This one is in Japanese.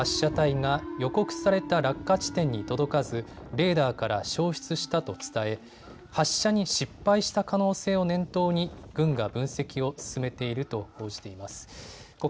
韓国軍の消息筋の話として宇宙発射体が予告された落下地点に届かずレーダーから消失したと伝え、発射に失敗した可能性を念頭に軍が分析を進めていると報じています。